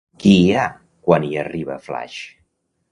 Qui hi ha, quan hi arriba Flash?